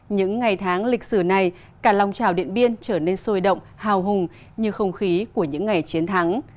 những ngày tháng lịch sử này cả lòng trào điện biên trở nên sôi động hào hùng như không khí của những ngày chiến thắng